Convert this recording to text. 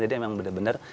jadi memang benar benar